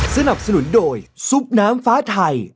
สนับสนุนโดยซุปน้ำฟ้าไทย